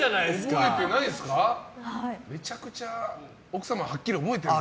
めちゃくちゃ奥様はっきり覚えてるな。